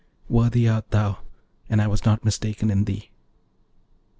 Worthy art thou, and I was not mistaken in thee.'